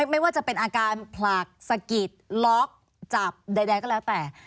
ไม่ว่าจะเป็นอาการผลักสะกิดล็อกจับใดก็แล้วแต่